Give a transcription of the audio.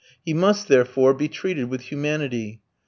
He must, therefore, be treated with humanity.